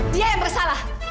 dia yang bersalah